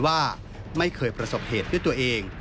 ว่าไม่เคยประสบเหตุด้วยตัวเอง